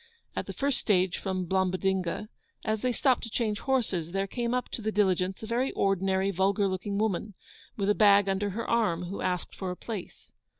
At the first stage from Blombodinga, as they stopped to change horses, there came up to the diligence a very ordinary, vulgar looking woman, with a bag under her arm, who asked for a place.